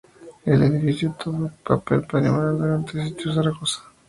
El edificio tuvo un papel primordial durante los Sitios de Zaragoza.